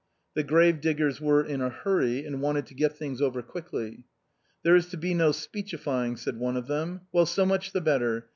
The grave diggers were in a hurry and wanted to get things over quickly. " There is to be no speechifying," said one of them. "Well, so much the better.